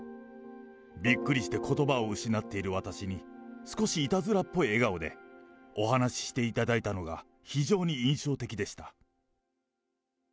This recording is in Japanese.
びっくりしてことばを失っている私に、少しいたずらっぽい笑顔でお話していただいたのが、非常に印象的でした。